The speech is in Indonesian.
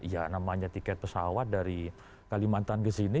ya namanya tiket pesawat dari kalimantan ke sini